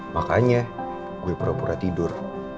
makanya gue pura pura tidur